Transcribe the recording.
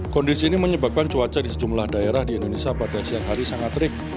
kondisi ini menyebabkan cuaca di sejumlah daerah di indonesia pada siang hari sangat terik